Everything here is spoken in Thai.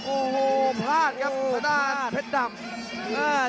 โอ้โหพลาดครับทางด้านเพชรดำ